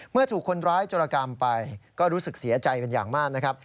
เมื่อถูกคนร้ายโจรกรรมไปก็รู้สึกเสียใจเป็นอย่างมากนะครับ